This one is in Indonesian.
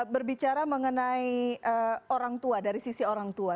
berbicara mengenai orang tua dari sisi orang tua